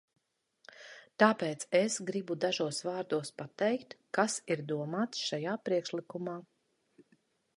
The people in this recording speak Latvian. Tāpēc es gribu dažos vārdos pateikt, kas ir domāts šajā priekšlikumā.